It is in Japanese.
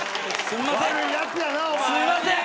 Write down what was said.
すいません！